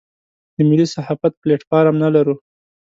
د ملي صحافت پلیټ فارم نه لرو.